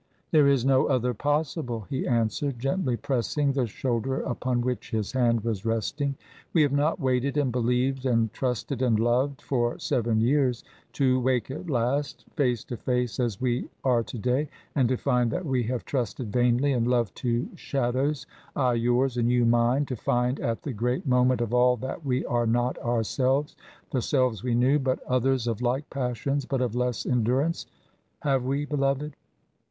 "There is no other possible," he answered, gently pressing the shoulder upon which his hand was resting. "We have not waited and believed, and trusted and loved, for seven years, to wake at last face to face as we are to day and to find that we have trusted vainly and loved two shadows, I yours, and you mine, to find at the great moment of all that we are not ourselves, the selves we knew, but others of like passions but of less endurance. Have we, beloved?